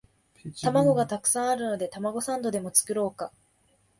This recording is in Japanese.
玉子がたくさんあるのでたまごサンドでも作ろうか